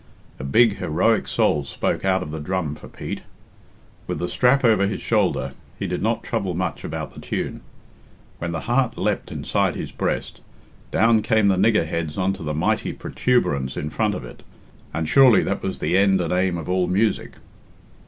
A big heroic soul spoke out of the drum for Pete. With the strap over his shoulders, he did not trouble much about the tune. When the heart Leapt inside his breast, down came the nigger heads on to the mighty protuberance in front of it; and surely that was the end and aim of all music.